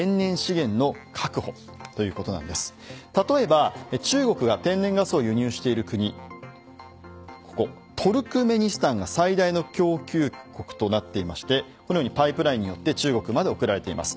例えば中国が天然ガスを輸入している国トルクメニスタンが最大の供給国となっていてこのようにパイプラインによって中国に送られています。